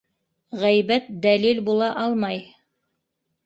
Ғәйбәт дәлил була алмай.